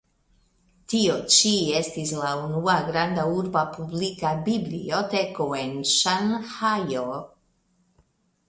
Tio ĉi estis la unua granda urba publika biblioteko en Ŝanhajo.